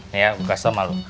nih ya gua kasih sama lo